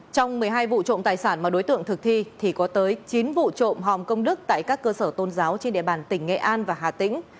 trong một mươi hai vụ trộm tài sản mà đối tượng thực thi thì có tới chín vụ trộm hòm công đức tại các cơ sở tôn giáo trên địa bàn tỉnh nghệ an và hà tĩnh